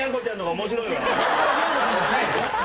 面白い！